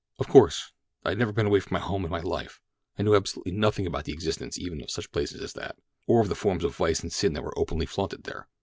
"Of course. I had never been away from home in my life. I knew absolutely nothing about the existence even of such places as that, or of the forms of vice and sin that were openly flaunted there.